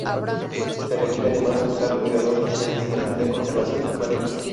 Se requiere además, usar cuidadosas medidas de conservación y manejo.